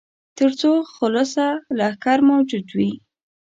تر څو خلصه لښکر موجود وي.